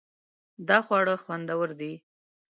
دا خواړه خوندور دي